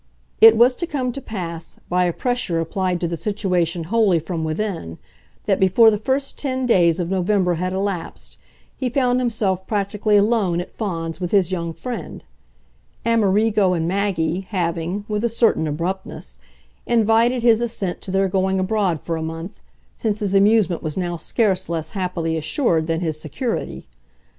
It was to come to pass, by a pressure applied to the situation wholly from within, that before the first ten days of November had elapsed he found himself practically alone at Fawns with his young friend; Amerigo and Maggie having, with a certain abruptness, invited his assent to their going abroad for a month, since his amusement was now scarce less happily assured than his security.